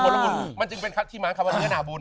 คือผลบุญมันจึงเป็นที่มหาวัฒนาบุญ